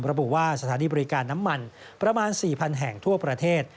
ระบุว่าสถานีบริการน้ำมันประมาณ๔๐๐๐แห่งทั่วประเทศ